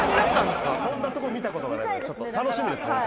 ⁉飛んだとこ見たことがないので楽しみです